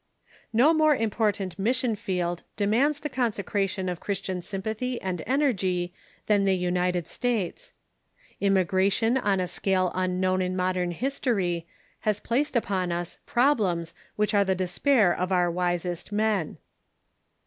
No more important mission field demands the consecration of Christian sympathy and energy than the United States. Immigration on a scale unknown in modern his Home Missions , i i i i i • i ,i tory has placed upon us problems which are the despair of our wisest men.